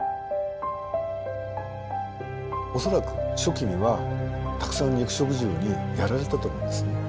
恐らく初期にはたくさん肉食獣にやられたと思うんですね。